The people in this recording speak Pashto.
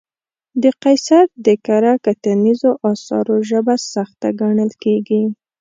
د قیصر د کره کتنیزو اثارو ژبه سخته ګڼل کېږي.